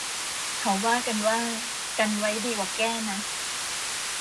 เขาว่ากันว่า กันไว้ดีกว่าแก้นะ